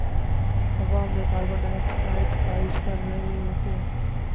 ہوا میں carbon dioxide خارج کررہے ہوتے ہیں